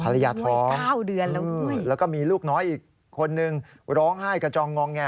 ภรรยาท้องแล้วก็มีลูกน้อยอีกคนนึงร้องไห้กระจองงองแง่